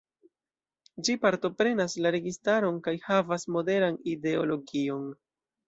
Ĝi partoprenas la registaron kaj havas moderan ideologion.